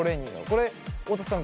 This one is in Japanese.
これ大田さん